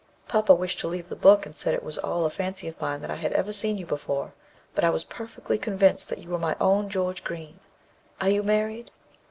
Papa wished to leave the book, and said it was all a fancy of mine that I had ever seen you before, but I was perfectly convinced that you were my own George Green. Are you married?"